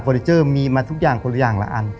นิเจอร์มีมาทุกอย่างคนละอย่างละอัน